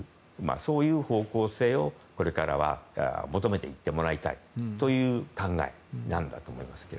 そういう方向性をこれからは求めていってもらいたいという考えだと思います。